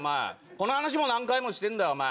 この話も何回もしてるんだよお前。